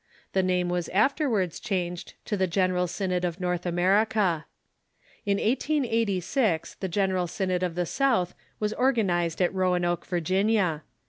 The name was afterwards changed to the General Synod of North America. In 1886 the General Synod of the South was organized at Roanoke, Virginia.